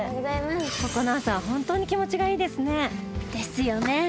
ここの朝は本当に気持ちがいいですね。ですよね。